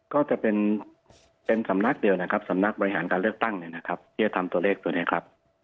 ก็จะเป็นสำนักเดียวสำนักบริหารการเลือกตั้งที่จะทำตัวเลขตัวนี้ครับ